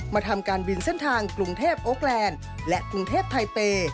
ทำการบินเส้นทางกรุงเทพโอคแลนด์และกรุงเทพไทเปย์